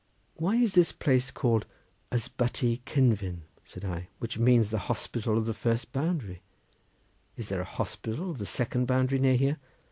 "Why is this place called Ysbytty Cynfyn?" said I, "which means the hospital of the first boundary; is there a hospital of the second boundary near here?"